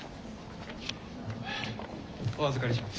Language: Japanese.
お預かりします。